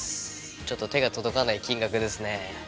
ちょっと手が届かない金額ですね。